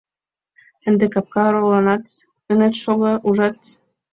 — Ынде капка оролланат ынет шого, ужат?